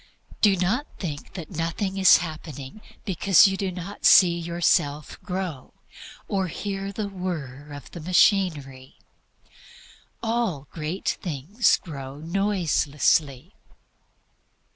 Do not think that nothing is happening because you do not see yourself grow, or hear the whir of the machinery. All great things grow noiselessly.